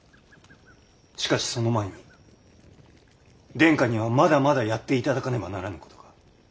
しかしその前に殿下にはまだまだやっていただかねばならぬことが。